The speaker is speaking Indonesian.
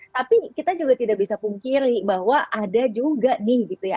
tapi kita juga tidak bisa pungkiri bahwa ada juga nih gitu ya